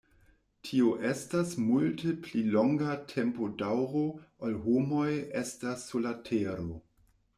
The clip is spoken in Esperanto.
Tio estas multe pli longa tempodaŭro, ol homoj estas sur la Tero.